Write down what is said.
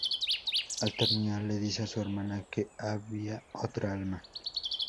Al terminar le dice a su hermana que había otra alma.